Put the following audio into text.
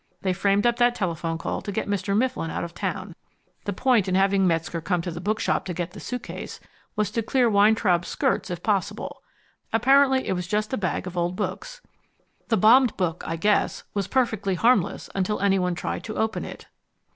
"They framed up that telephone call to get Mr. Mifflin out of town. The point in having Metzger come to the bookshop to get the suitcase was to clear Weintraub's skirts if possible. Apparently it was just a bag of old books. The bombed book, I guess, was perfectly harmless until any one tried to open it."